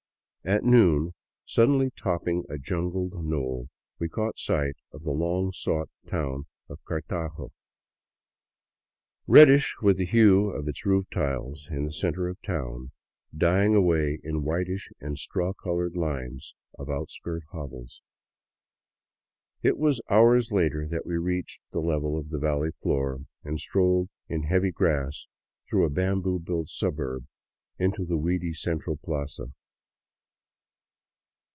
At noon, suddenly topping a jungled knoll, we caught sight of the long sought town of Cartago, reddish with the hue of its roof tiles in the center of town, dying away in whitish and straw colored lines of out skirt hovels. It was hours later that we reached the level of the valley floor, and strolled in heavy grass through a bamboo built suburb into the weedy central plaza.